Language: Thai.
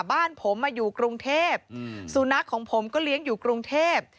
บ้านผมมาอยู่กรุงเทพสุนัขของผมก็เลี้ยงอยู่กรุงเทพ